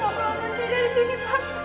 tolong tolong jangan saja di sini pak